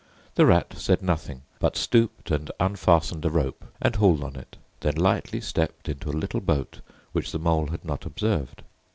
The Rat said nothing, but stooped and unfastened a rope and hauled on it; then lightly stepped into a little boat which the Mole had not observed.